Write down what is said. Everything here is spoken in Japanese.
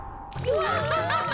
うわ！